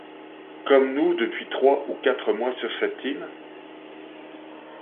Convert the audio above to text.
comme nous depuis trois ou quatre mois sur cette île ?